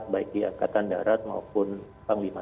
baik di angkatan darat maupun di jawa tenggara